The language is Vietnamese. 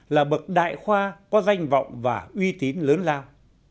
là bậc đại khoa có danh vọng và uy tín lớn giao